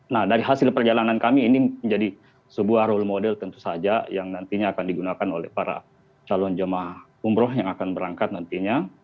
nah dari hasil perjalanan kami ini menjadi sebuah role model tentu saja yang nantinya akan digunakan oleh para calon jemaah umroh yang akan berangkat nantinya